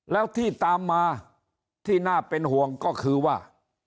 แล้วที่ตามมาที่น่าเป็นห่วงก็คือว่า